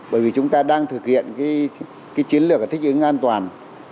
bởi vì chúng ta đang thực hiện cái chiến lược thích ứng an toàn